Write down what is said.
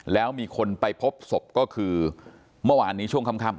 แล้วมีคนไปพบศพก็คือเมื่อวานนี้ช่วงค่ำ